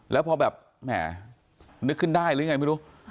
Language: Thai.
แล้วพอแบบแหมนึกขึ้นได้หรือยังไงไม่รู้